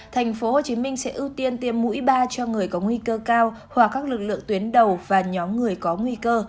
tp hcm sẽ ưu tiên tiêm mũi ba cho người có nguy cơ cao hòa các lực lượng tuyến đầu và nhóm người có nguy cơ